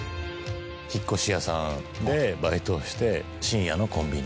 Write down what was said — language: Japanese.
引越し屋さんでバイトをして深夜のコンビニ。